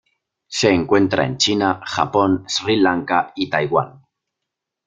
Se encuentra en China, Japón, Sri Lanka, y Taiwan.